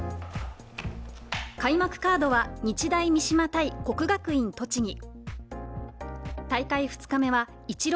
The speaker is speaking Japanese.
開幕カードは日大三島×国学院栃木。